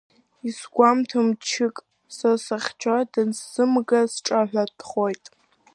Исызгәамҭо мчык са сахьчоит, данысзымга сҿаҳәатәхоит!